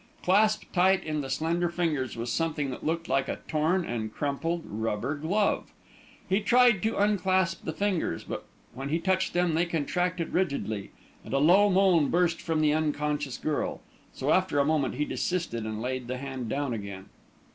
Clasped tight in the slender fingers was something that looked like a torn and crumpled rubber glove. He tried to unclasp the fingers, but when he touched them, they contracted rigidly, and a low moan burst from the unconscious girl. So, after a moment, he desisted and laid the hand down again.